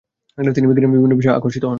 তিনি বিজ্ঞানের বিভিন্ন বিষয়ে আকর্ষিত হন।